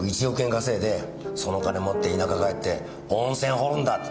稼いでその金持って田舎帰って温泉掘るんだっつって。